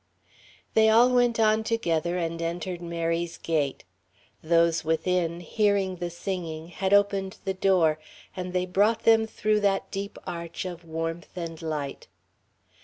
They all went on together and entered Mary's gate. Those within, hearing the singing, had opened the door, and they brought them through that deep arch of warmth and light.